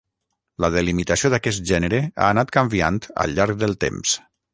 La delimitació d'aquest gènere ha anat canviant al llarg del temps.